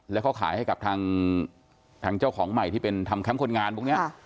แล้วเขาขายให้กับทางเจ้าของใหม่ที่เป็นทำแคมป์คนงานพวกนี้